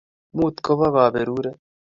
mut ko po kaperuret